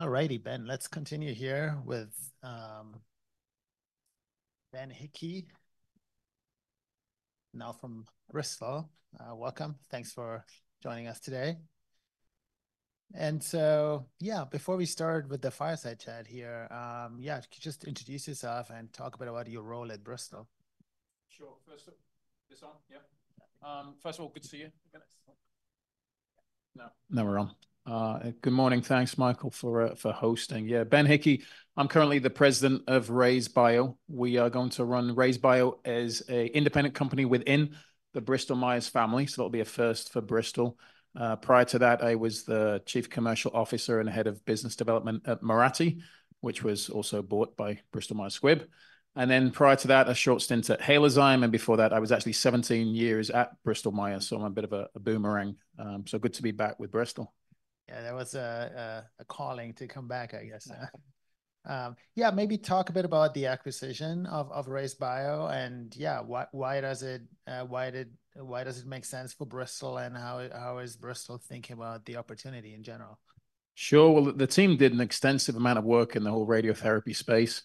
All righty, Ben, let's continue here with Ben Hickey, now from Bristol. Welcome. Thanks for joining us today. And so, yeah, before we start with the fireside chat here, yeah, could you just introduce yourself and talk a bit about your role at Bristol? Sure. First of this one, yeah. First of all, good to see you. Can I? No. No, we're on. Good morning. Thanks, Michael, for hosting. Yeah, Ben Hickey, I'm currently the president of RayzeBio. We are going to run RayzeBio as an independent company within the Bristol Myers family, so that'll be a first for Bristol. Prior to that, I was the Chief Commercial Officer and Head of Business Development at Mirati, which was also bought by Bristol Myers Squibb. And then prior to that, a short stint at Halozyme, and before that, I was actually 17 years at Bristol Myers, so I'm a bit of a boomerang. So good to be back with Bristol. Yeah, that was a calling to come back, I guess. Yeah, maybe talk a bit about the acquisition of RayzeBio and, yeah, why does it make sense for Bristol and how is Bristol thinking about the opportunity in general? Sure. Well, the team did an extensive amount of work in the whole radiotherapy space,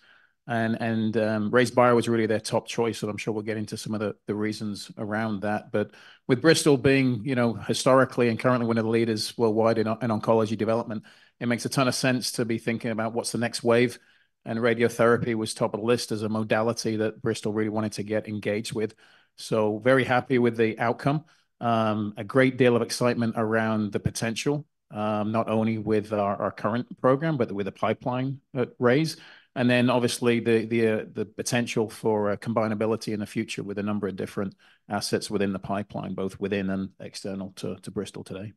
and RayzeBio was really their top choice, so I'm sure we'll get into some of the reasons around that. But with Bristol being, you know, historically and currently one of the leaders worldwide in on oncology development, it makes a ton of sense to be thinking about what's the next wave. And radiotherapy was top of the list as a modality that Bristol really wanted to get engaged with. So very happy with the outcome. A great deal of excitement around the potential, not only with our current program, but with the pipeline at RayzeBio. And then obviously the potential for combinability in the future with a number of different assets within the pipeline, both within and external to Bristol today.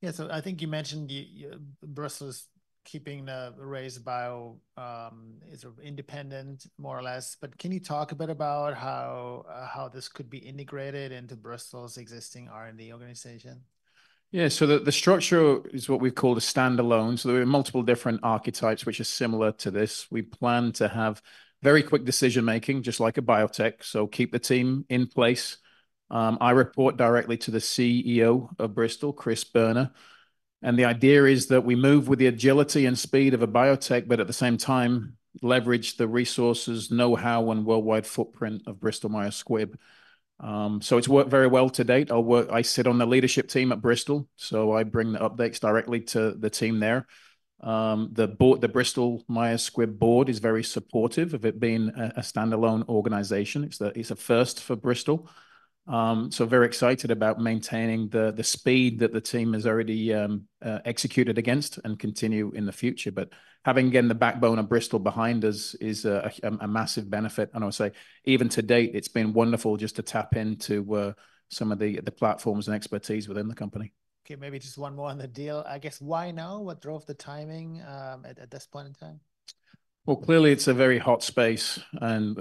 Yeah, so I think you mentioned Bristol's keeping RayzeBio sort of independent, more or less. But can you talk a bit about how this could be integrated into Bristol's existing R&D organization? Yeah, so the structure is what we call a standalone. So there are multiple different archetypes which are similar to this. We plan to have very quick decision-making, just like a biotech, so keep the team in place. I report directly to the CEO of Bristol, Chris Boerner. And the idea is that we move with the agility and speed of a biotech, but at the same time leverage the resources, know-how, and worldwide footprint of Bristol Myers Squibb. So it's worked very well to date. I sit on the leadership team at Bristol, so I bring the updates directly to the team there. The Bristol Myers Squibb board is very supportive of it being a standalone organization. It's a first for Bristol. So very excited about maintaining the speed that the team has already executed against and continue in the future. But having, again, the backbone of Bristol behind us is a massive benefit. And I would say even to date, it's been wonderful just to tap into some of the platforms and expertise within the company. Okay, maybe just one more on the deal. I guess why now? What drove the timing, at this point in time? Well, clearly it's a very hot space, and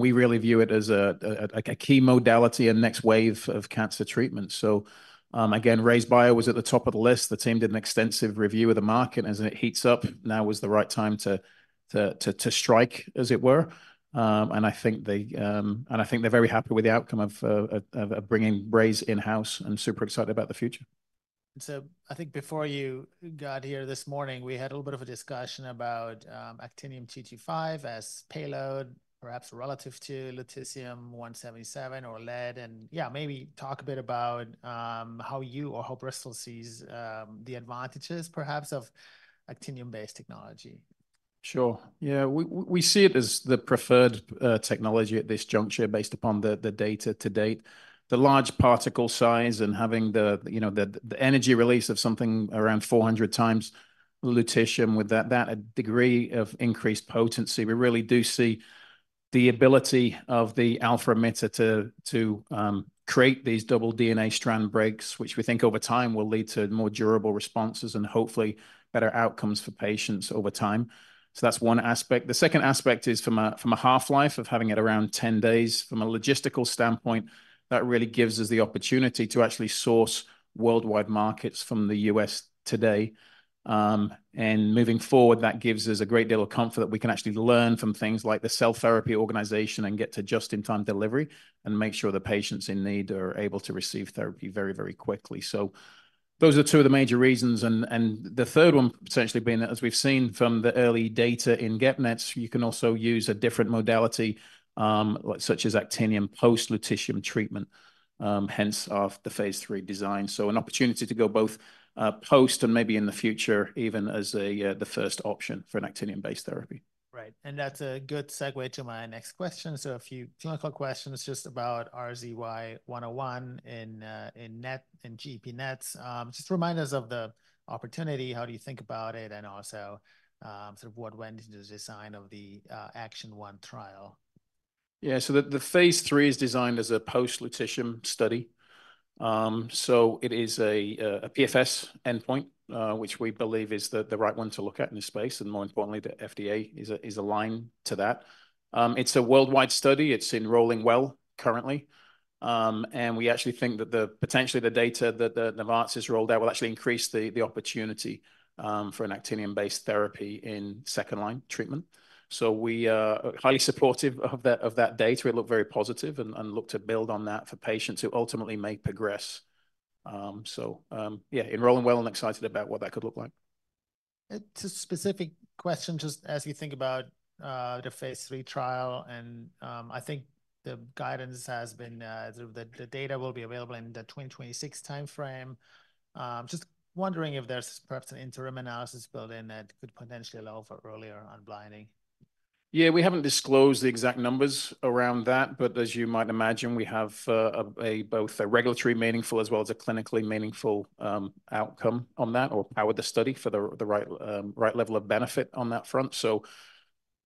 we really view it as a key modality and next wave of cancer treatment. So, again, RayzeBio was at the top of the list. The team did an extensive review of the market as it heats up. Now was the right time to strike, as it were. I think they're very happy with the outcome of bringing Rayze in-house and super excited about the future. So I think before you got here this morning, we had a little bit of a discussion about actinium-225 as payload, perhaps relative to lutetium-177 or lead. And yeah, maybe talk a bit about how you or how Bristol sees the advantages, perhaps, of actinium-based technology. Sure. Yeah, we see it as the preferred technology at this juncture based upon the data to date. The large particle size and having the, you know, the energy release of something around 400 times lutetium with that degree of increased potency, we really do see the ability of the alpha emitter to create these double DNA strand breaks, which we think over time will lead to more durable responses and hopefully better outcomes for patients over time. So that's one aspect. The second aspect is from a half-life of having it around 10 days. From a logistical standpoint, that really gives us the opportunity to actually source worldwide markets from the US today. Moving forward, that gives us a great deal of comfort that we can actually learn from things like the cell therapy organization and get to just-in-time delivery and make sure the patients in need are able to receive therapy very, very quickly. So those are two of the major reasons. And the third one potentially being that as we've seen from the early data in GEP-NETs, you can also use a different modality, such as actinium post-lutetium treatment, hence after the phase 3 design. So an opportunity to go both, post and maybe in the future even as a, the first option for an actinium-based therapy. Right. And that's a good segue to my next question. So a few clinical questions just about RYZ101 in NETs in GEP-NETs. Just remind us of the opportunity, how do you think about it, and also, sort of what went into the design of the ACTION-1 trial? Yeah, so the phase 3 is designed as a post-lutetium study. So it is a PFS endpoint, which we believe is the right one to look at in this space. And more importantly, the FDA is aligned to that. It's a worldwide study. It's enrolling well currently. And we actually think that the potentially the data that Novartis has rolled out will actually increase the opportunity for an actinium-based therapy in second-line treatment. So we are highly supportive of that data. It looked very positive and looked to build on that for patients who ultimately may progress. So, yeah, enrolling well and excited about what that could look like. Just specific question just as you think about the phase 3 trial. I think the guidance has been sort of the data will be available in the 2026 time frame. Just wondering if there's perhaps an interim analysis built in that could potentially allow for earlier unblinding. Yeah, we haven't disclosed the exact numbers around that, but as you might imagine, we have both a regulatory meaningful as well as a clinically meaningful outcome on that or power the study for the right level of benefit on that front. So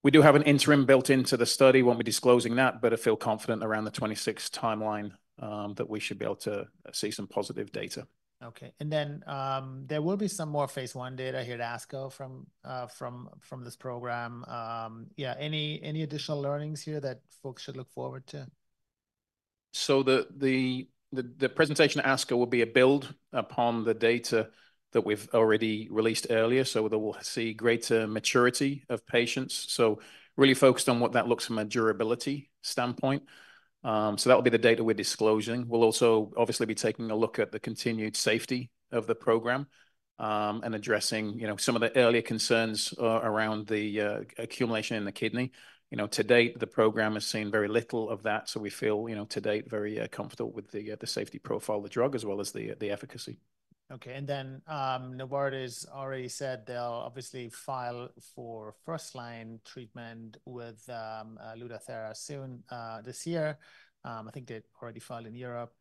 we do have an interim built into the study when we're disclosing that, but I feel confident around the 26th timeline that we should be able to see some positive data. Okay. And then, there will be some more phase 1 data here at ASCO from this program. Yeah, any additional learnings here that folks should look forward to? So the presentation at ASCO will be a build upon the data that we've already released earlier. So there will see greater maturity of patients. So really focused on what that looks from a durability standpoint. So that will be the data we're disclosing. We'll also obviously be taking a look at the continued safety of the program, and addressing, you know, some of the earlier concerns, around the accumulation in the kidney. You know, to date, the program has seen very little of that. So we feel, you know, to date very comfortable with the safety profile of the drug as well as the efficacy. Okay. And then, Novartis has already said they'll obviously file for first-line treatment with Lutathera soon, this year. I think they already filed in Europe,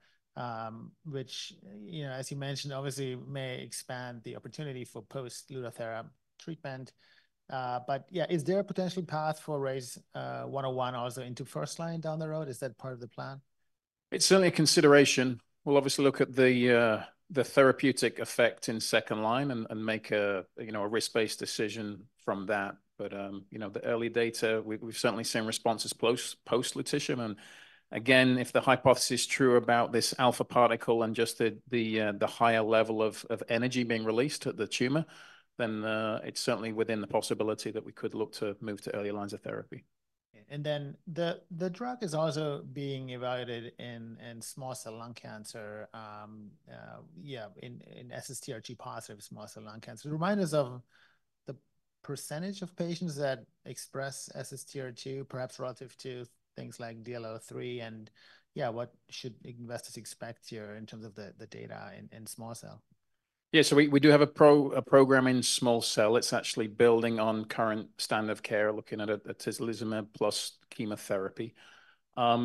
which, you know, as you mentioned, obviously may expand the opportunity for post-Lutathera treatment. But yeah, is there a potential path for RYZ101 also into first-line down the road? Is that part of the plan? It's certainly a consideration. We'll obviously look at the therapeutic effect in second-line and make a, you know, a risk-based decision from that. But, you know, the early data, we've certainly seen responses close post-Lutetium. And again, if the hypothesis is true about this alpha particle and just the higher level of energy being released at the tumor, then, it's certainly within the possibility that we could look to move to earlier lines of therapy. And then the drug is also being evaluated in small cell lung cancer. Yeah, in SSTR2-positive small cell lung cancer. Remind us of the percentage of patients that express SSTR2, perhaps relative to things like DLL3. And yeah, what should investors expect here in terms of the data in small cell? Yeah, so we do have a program in small cell. It's actually building on current standard of care, looking at atezolizumab plus chemotherapy.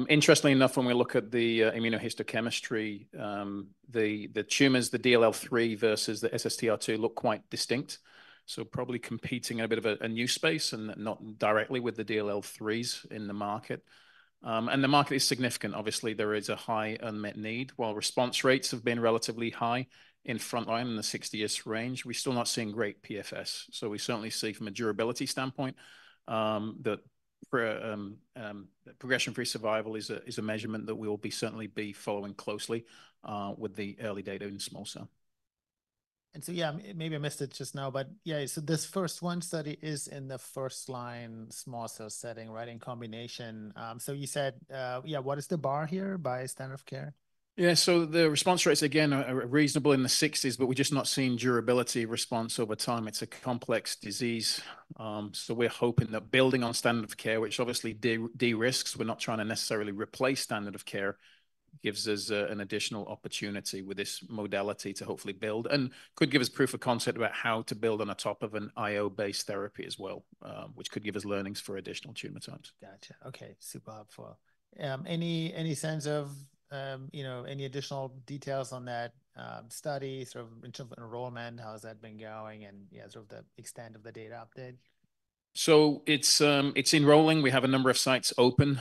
Interestingly enough, when we look at the immunohistochemistry, the tumors, the DLL3 versus the SSTR2 look quite distinct. So probably competing in a bit of a new space and not directly with the DLL3s in the market. The market is significant. Obviously, there is a high unmet need. While response rates have been relatively high in front-line in the 60s range, we're still not seeing great PFS. So we certainly see from a durability standpoint, that progression-free survival is a measurement that we'll be following closely, with the early data in small cell. Yeah, maybe I missed it just now, but yeah, so this first one study is in the first-line small cell setting, right, in combination. So you said, yeah, what is the bar here by standard of care? Yeah, so the response rate's again reasonable in the 60s, but we're just not seeing durability response over time. It's a complex disease. So we're hoping that building on standard of care, which obviously de-derisks, we're not trying to necessarily replace standard of care, gives us an additional opportunity with this modality to hopefully build and could give us proof of concept about how to build on the top of an IO-based therapy as well, which could give us learnings for additional tumor types. Gotcha. Okay. Super helpful. Any sense of, you know, any additional details on that study, sort of in terms of enrollment, how has that been going and, yeah, sort of the extent of the data update? It's enrolling. We have a number of sites open.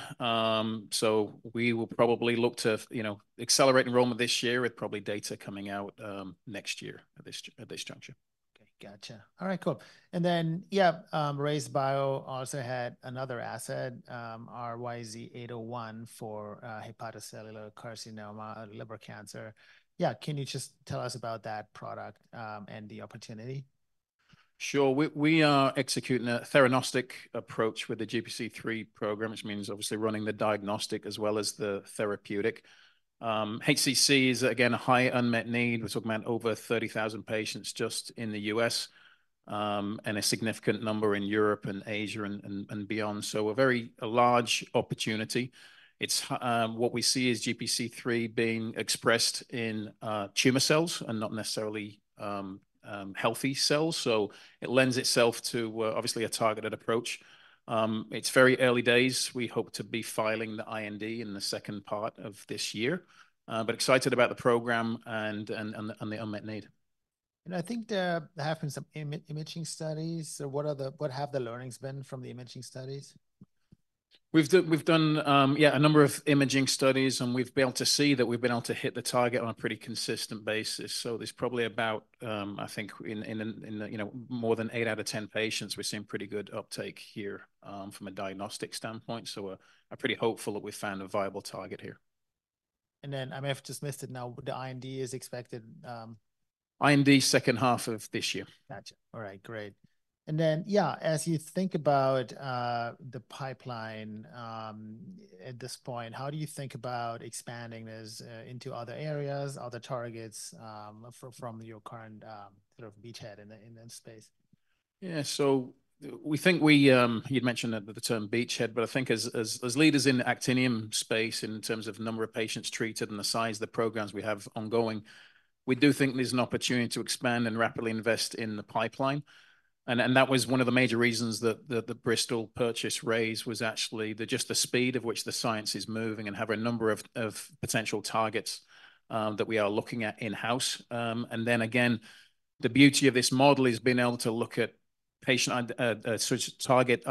So we will probably look to, you know, accelerate enrollment this year with probably data coming out next year at this juncture. Okay. Gotcha. All right. Cool. And then, yeah, RayzeBio also had another asset, RYZ801 for, hepatocellular carcinoma, liver cancer. Yeah, can you just tell us about that product, and the opportunity? Sure. We are executing a theranostic approach with the GPC3 program, which means obviously running the diagnostic as well as the therapeutic. HCC is again a high unmet need. We're talking about over 30,000 patients just in the US, and a significant number in Europe and Asia and beyond. So a very large opportunity. It's what we see is GPC3 being expressed in tumor cells and not necessarily healthy cells. So it lends itself to obviously a targeted approach. It's very early days. We hope to be filing the IND in the second part of this year, but excited about the program and the unmet need. I think there have been some imaging studies. So what have the learnings been from the imaging studies? We've done, yeah, a number of imaging studies, and we've been able to see that we've been able to hit the target on a pretty consistent basis. So there's probably about, I think in the, you know, more than 8 out of 10 patients, we're seeing pretty good uptake here, from a diagnostic standpoint. So I'm pretty hopeful that we've found a viable target here. And then I may have just missed it now. The IND is expected, IND second half of this year. Gotcha. All right. Great. And then, yeah, as you think about the pipeline, at this point, how do you think about expanding this into other areas, other targets, from your current, sort of beachhead in this space? Yeah, so we think you'd mentioned that the term beachhead, but I think as leaders in the actinium space in terms of number of patients treated and the size of the programs we have ongoing, we do think there's an opportunity to expand and rapidly invest in the pipeline. That was one of the major reasons that the Bristol purchase RayzeBio was actually just the speed of which the science is moving and have a number of potential targets that we are looking at in-house. And then again, the beauty of this model is being able to look at patient sort of target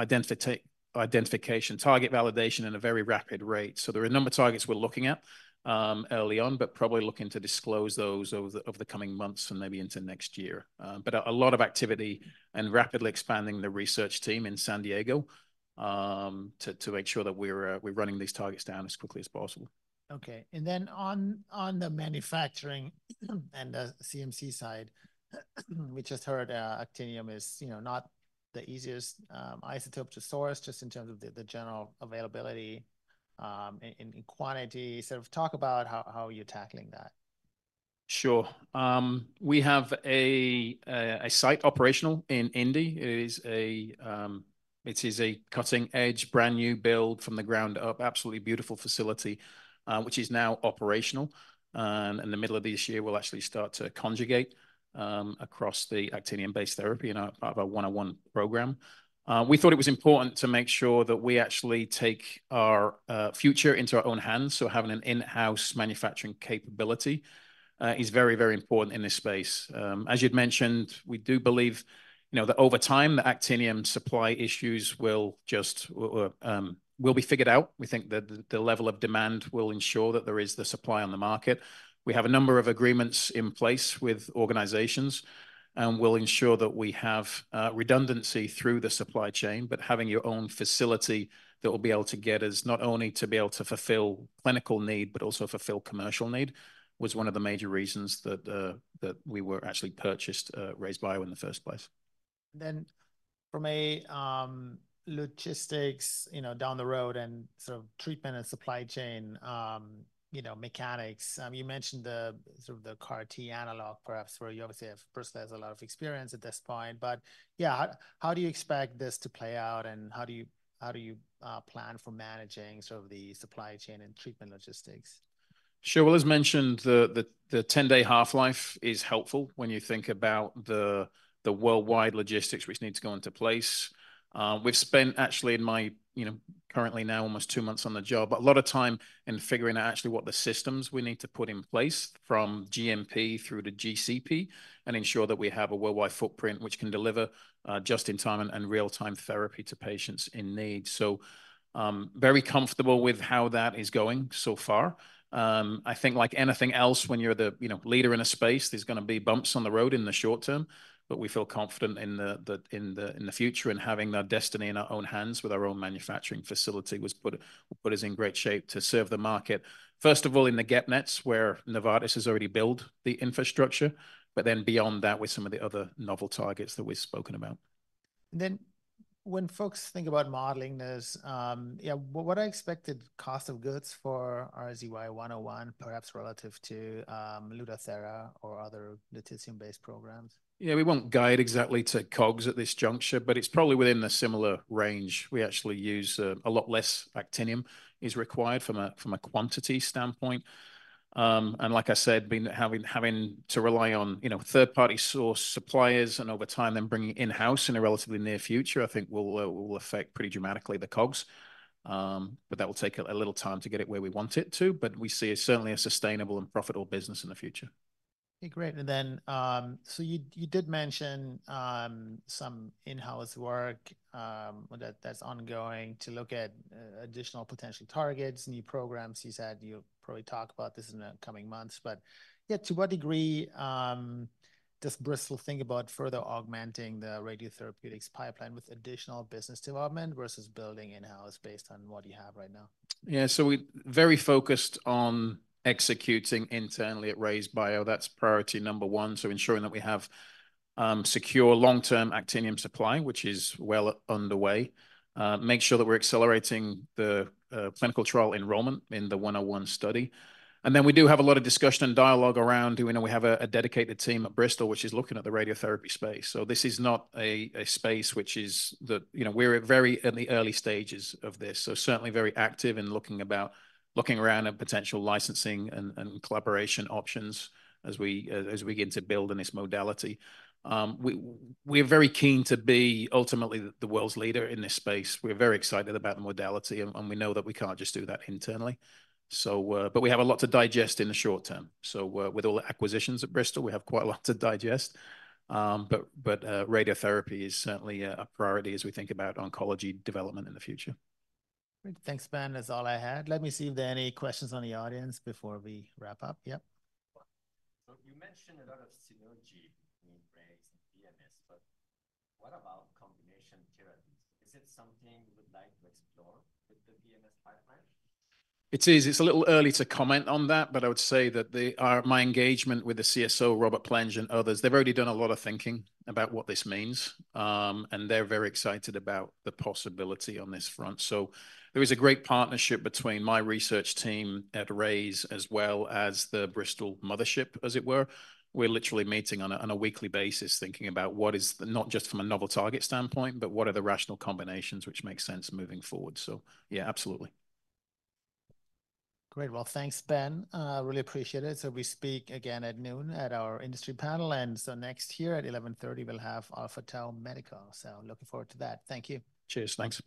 identification target validation at a very rapid rate. So there are a number of targets we're looking at early on, but probably looking to disclose those over the coming months and maybe into next year. But a lot of activity and rapidly expanding the research team in San Diego, to make sure that we're running these targets down as quickly as possible. Okay. And then on the manufacturing and the CMC side, we just heard actinium is, you know, not the easiest isotope to source just in terms of the general availability in quantity. Sort of talk about how you're tackling that? Sure. We have a site operational in Indy. It is a cutting-edge, brand new build from the ground up, absolutely beautiful facility, which is now operational. In the middle of this year, we'll actually start to conjugate across the actinium-based therapy in our part of our 101 program. We thought it was important to make sure that we actually take our future into our own hands. So having an in-house manufacturing capability is very, very important in this space. As you'd mentioned, we do believe, you know, that over time, the actinium supply issues will just be figured out. We think that the level of demand will ensure that there is the supply on the market. We have a number of agreements in place with organizations, and we'll ensure that we have redundancy through the supply chain. Having your own facility that will be able to get us not only to be able to fulfill clinical need, but also fulfill commercial need was one of the major reasons that we were actually purchased, RayzeBio in the first place. And then from a logistics, you know, down the road and sort of treatment and supply chain, you know, mechanics, you mentioned the sort of the CAR-T analog perhaps where you obviously have Bristol has a lot of experience at this point. But yeah, how do you expect this to play out and how do you plan for managing sort of the supply chain and treatment logistics? Sure. Well, as mentioned, the 10-day half-life is helpful when you think about the worldwide logistics, which needs to go into place. We've spent actually in my, you know, currently now almost two months on the job, but a lot of time in figuring out actually what the systems we need to put in place from GMP through to GCP and ensure that we have a worldwide footprint which can deliver just-in-time and real-time therapy to patients in need. So, very comfortable with how that is going so far. I think like anything else, when you're the, you know, leader in a space, there's going to be bumps on the road in the short term. But we feel confident in the future and having our destiny in our own hands with our own manufacturing facility put us in great shape to serve the market, first of all, in the GEP-NETs where Novartis has already built the infrastructure. But then beyond that, with some of the other novel targets that we've spoken about. And then when folks think about modeling this, yeah, what are expected cost of goods for RYZ101, perhaps relative to Lutathera or other Lutetium-based programs? Yeah, we won't guide exactly to COGS at this juncture, but it's probably within the similar range. We actually use a lot less Actinium is required from a quantity standpoint. And like I said, having to rely on, you know, third-party source suppliers and over time then bringing it in-house in a relatively near future, I think will affect pretty dramatically the COGS. But that will take a little time to get it where we want it to. But we see it certainly a sustainable and profitable business in the future. Okay. Great. And then, so you did mention some in-house work, that's ongoing to look at additional potential targets, new programs. You said you'll probably talk about this in the coming months. But yeah, to what degree does Bristol think about further augmenting the radiotherapeutics pipeline with additional business development versus building in-house based on what you have right now? Yeah, so we're very focused on executing internally at RayzeBio. That's priority number 1. So ensuring that we have secure long-term Actinium supply, which is well underway, make sure that we're accelerating the clinical trial enrollment in the 101 study. And then we do have a lot of discussion and dialogue around. You know we have a dedicated team at Bristol which is looking at the radiotherapy space. So this is not a space which is that, you know, we're at very in the early stages of this. So certainly very active in looking around at potential licensing and collaboration options as we begin to build in this modality. We're very keen to be ultimately the world's leader in this space. We're very excited about the modality, and we know that we can't just do that internally. But we have a lot to digest in the short term. So, with all the acquisitions at Bristol, we have quite a lot to digest. But radiotherapy is certainly a priority as we think about oncology development in the future. Great. Thanks, Ben, is all I had. Let me see if there are any questions on the audience before we wrap up. Yep. So you mentioned a lot of synergy between Rayze and BMS, but what about combination therapies? Is it something you would like to explore with the BMS pipeline? It is. It's a little early to comment on that, but I would say that our my engagement with the CSO, Robert Plenge, and others, they've already done a lot of thinking about what this means. They're very excited about the possibility on this front. So there is a great partnership between my research team at Rayze as well as the Bristol mothership, as it were. We're literally meeting on a weekly basis thinking about what is not just from a novel target standpoint, but what are the rational combinations which make sense moving forward. So yeah, absolutely. Great. Well, thanks, Ben. Really appreciate it. So we speak again at noon at our industry panel. And so next year at 11:30 A.M., we'll have Alpha Tau Medical. So looking forward to that. Thank you. Cheers. Thanks.